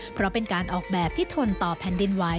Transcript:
เพราะเป็นการออกแบบที่ทนต่อแผ่นดินไหว